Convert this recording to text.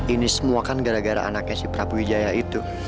ini semua kan gara gara anaknya si prabu wijaya itu